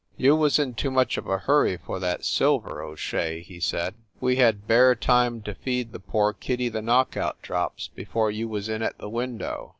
"You was in too much of a hurry for that silver, O Shea," he said. "We had bare time to feed the poor kiddie the knock out drops before you was in at the window.